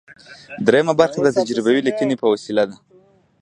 دریمه برخه د تجربوي لیکنې په وسیله ده.